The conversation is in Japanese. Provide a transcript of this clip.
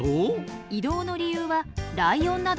移動の理由はライオンなどの天敵。